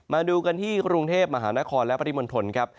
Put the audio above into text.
มาดูกันที่กรุงเทพมหานครและปริมณฑลครับ